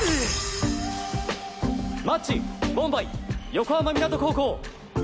マッチウォンバイ横浜湊高校。